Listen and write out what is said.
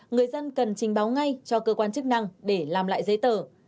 người dân cần trình báo ngay cho cơ quan chức năng để làm lại giấy tờ